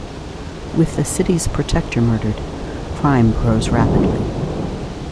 With the city's protector murdered, crime grows rapidly.